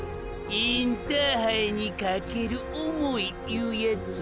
「インターハイにかける想い」いうヤツゥ？